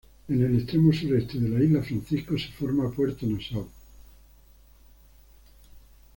En el extremo sureste de la isla Francisco se forma puerto Nassau.